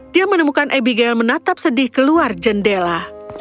dia menemukan abigail menatap sedih keluar jendela